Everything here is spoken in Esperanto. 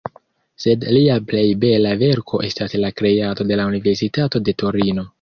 Sed lia plej bela verko estas la kreado de la universitato de Torino.